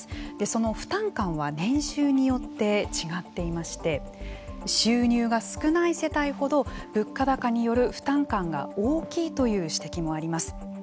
その負担感は年収によって違っていまして収入が少ない世帯ほど物価高による負担感が大きいという指摘もあります。